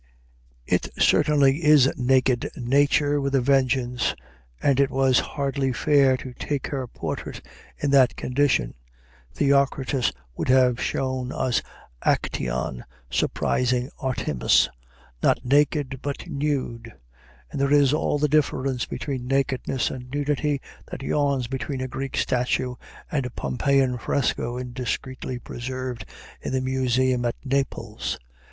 It certainly is naked Nature with a vengeance, and it was hardly fair to take her portrait in that condition. Theocritus would have shown us Acteon surprising Artemis, not naked, but nude; and there is all the difference between nakedness and nudity that yawns between a Greek statue and a Pompeiian fresco indiscreetly preserved in the museum at Naples.